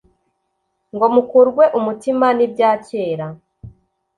ngo mukurwe umutima n’ibya kera,